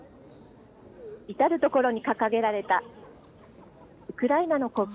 至る所に掲げられたウクライナの国旗。